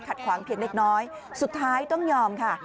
ขวางเพียงเล็กน้อยสุดท้ายต้องยอมค่ะ